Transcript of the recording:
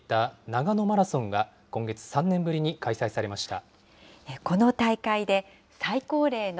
長野マラソンが３年ぶりに開催されました。